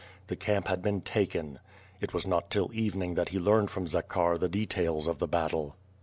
The camp had been taken. It was not till evening that he learned from Zakhar tiie details of the battle.